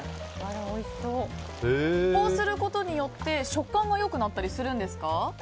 こうすることによって食感も良くなったりするんですか。